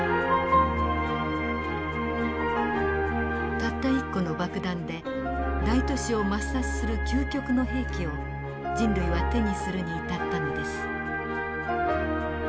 たった一個の爆弾で大都市を抹殺する究極の兵器を人類は手にするに至ったのです。